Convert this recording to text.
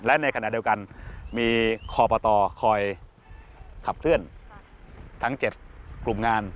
และในขณะเดียวกันมีคอปตคอยขับเคลื่อนทั้ง๗กลุ่มงาน